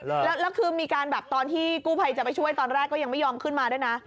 แล้วคือมีการแบบตอนที่กู้ภัยจะไปช่วยตอนแรกก็ยังไม่ยอมขึ้นมาด้วยนะ